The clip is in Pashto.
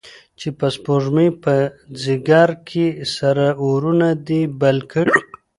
چې په شپومې، په ځیګر کې سره اورونه دي بل کړی